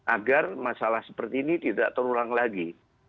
agar masalah seperti ini tidak terulang lagi